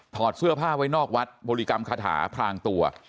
เสื้อผ้าไว้นอกวัดบริกรรมคาถาพรางตัว